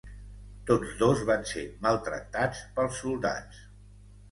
Tots dos van ser maltractats pels soldats.